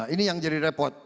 ini yang jadi repot